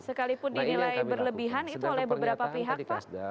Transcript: sekalipun dinilai berlebihan itu oleh beberapa pihak pak